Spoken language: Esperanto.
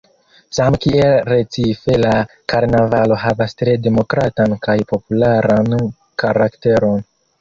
Same kiel Recife la karnavalo havas tre demokratan kaj popularan karakteron.